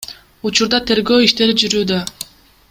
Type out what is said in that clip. Учурда тергөө иштери жүрүүдө.